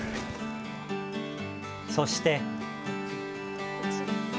そして。